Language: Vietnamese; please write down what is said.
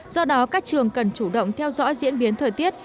do đó các trường cần chủ động theo dõi diễn biến thời tiết